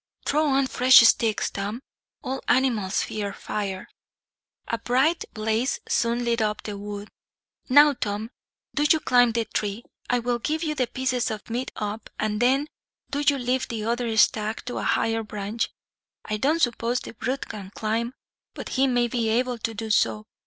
"Throw on fresh sticks, Tom. All animals fear fire." A bright blaze soon lit up the wood. "Now, Tom, do you climb the tree. I will give you the pieces of meat up, and then do you lift the other stag to a higher branch. I don't suppose the brute can climb, but he may be able to do so.